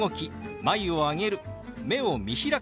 「眉を上げる」「目を見開く」